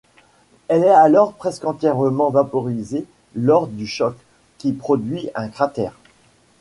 Elle est alors presque entièrement vaporisée lors du choc, qui produit un cratère.